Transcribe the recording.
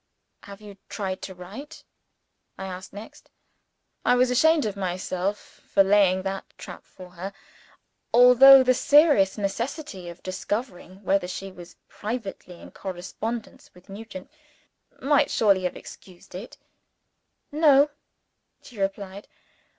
"Have you tried to write?" I asked next. (I was ashamed of myself for laying that trap for her although the serious necessity of discovering whether she was privately in correspondence with Nugent, might surely have excused it?) "No," she replied.